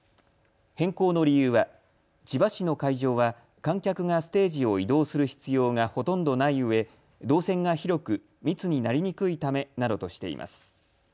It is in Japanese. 変更の理由は千葉市の会場は観客がステージを移動する必要がほとんどないうえ動線が広く密になりにくいためなどとしています。